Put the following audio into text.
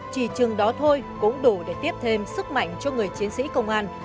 chỉ chừng đó thôi cũng đủ để tiếp thêm sức mạnh cho người chiến sĩ công an